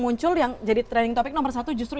muncul yang jadi trending topic nomor satu justru